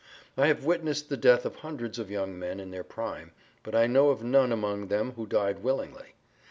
I have witnessed the death of hundreds of young men in their prime, but I know of none among them who died willingly.